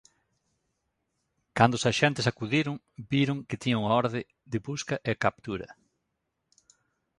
Cando os axentes acudiron, viron que tiña unha orde de busca e captura.